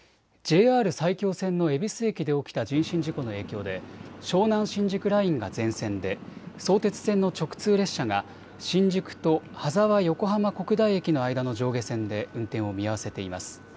ＪＲ埼京線の恵比寿駅で起きた人身事故の影響で湘南新宿ラインが全線で、相鉄線の直通列車が新宿と羽沢横浜国大駅の間の上下線で運転を見合わせています。